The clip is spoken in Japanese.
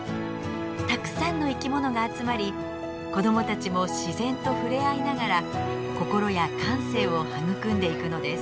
たくさんの生き物が集まり子どもたちも自然とふれあいながら心や感性を育んでいくのです。